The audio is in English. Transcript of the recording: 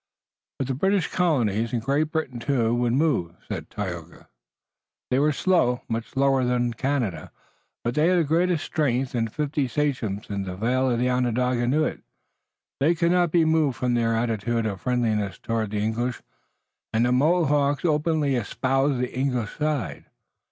But the British colonies and Great Britain too would move, so Tayoga said. They were slow, much slower than Canada, but they had the greater strength and the fifty sachems in the vale of Onondaga knew it. They could not be moved from their attitude of friendliness toward the English, and the Mohawks openly espoused the English side.